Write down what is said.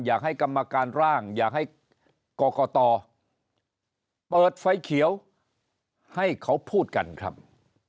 กรรมการร่างอยากให้กรกตเปิดไฟเขียวให้เขาพูดกันครับ